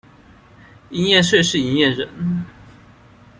營業稅是營業人